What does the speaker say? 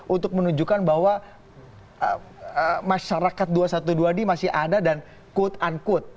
untuk menunjukkan bahwa masyarakat dua ratus dua belas d masih ada dan quote unquote